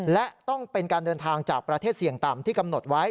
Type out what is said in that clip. และต้องเป็นการเดินทางจากประเทศเสี่ยงต่ำที่กำหนดไว้